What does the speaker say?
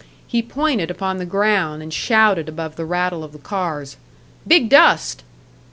He pointed upon the ground, and shouted above the rattle of the cars: "Big dust!"